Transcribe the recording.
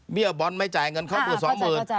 เบียบบอนไม่จ่ายเท่าศึกษาสองหมื่น